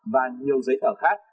và nhiều giấy tờ khác